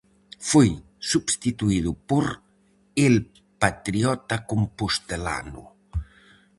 Foi substituído por "El Patriota Compostelano".